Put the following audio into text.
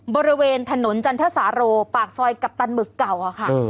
บริเวณถนนจันทสาโรปากซอยกัปตันหมึกเก่าอะค่ะ